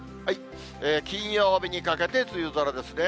金曜日にかけて梅雨空ですね。